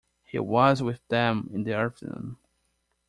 He was with them in the afternoon.